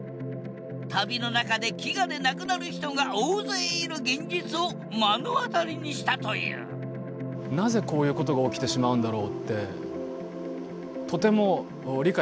旅の中で飢餓で亡くなる人が大勢いる現実を目の当たりにしたというなぜこういうことが起きてしまうんだろうってとても理解に苦しんだんですね。